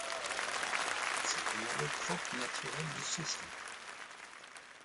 C'est un allotrope naturel du soufre.